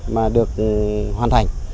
mà được hoàn thành